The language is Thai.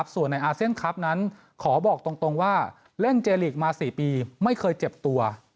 ส่วนในอาเซียนคลับนั้นขอบอกตรงว่าเล่นเจลีกมา๔ปีไม่เคยเจ็บตัว